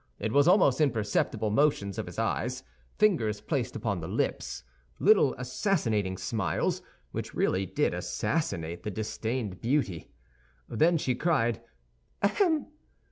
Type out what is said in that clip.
It was almost imperceptible motions of his eyes, fingers placed upon the lips, little assassinating smiles, which really did assassinate the disdained beauty. Then she cried, "Ahem!"